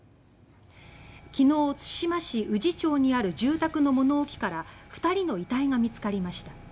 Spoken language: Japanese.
昨日、津島市宇治町にある住宅の物置から２人の遺体が見つかりました。